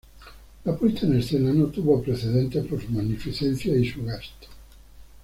La puesta en escena no tuvo precedentes por su magnificencia y su gasto.